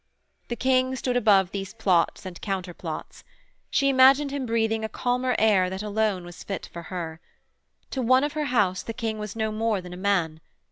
The King stood above these plots and counter plots. She imagined him breathing a calmer air that alone was fit for her. To one of her house the King was no more than a man.